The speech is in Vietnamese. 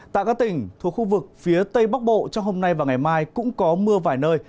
tại các tỉnh thuộc khu vực phía tây bắc bộ trong hôm nay và ngày mai cũng có mưa vài nơi